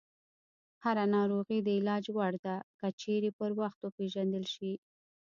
هره ناروغي د علاج وړ ده، که چیرې پر وخت وپېژندل شي.